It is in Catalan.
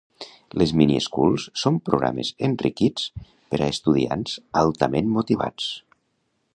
Les mini schools són programes enriquits per a estudiants altament motivats.